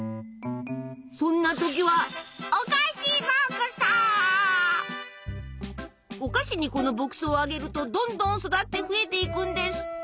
そんな時はお菓子にこの牧草をあげるとどんどん育って増えていくんです。